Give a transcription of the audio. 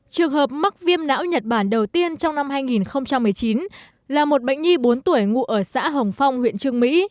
trường hợp mắc viêm não nhật bản đầu tiên trong năm hai nghìn một mươi chín là một bệnh nhi bốn tuổi ngụ ở xã hồng phong huyện trương mỹ